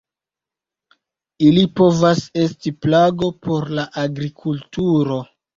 Ili povas esti plago por la agrikulturo.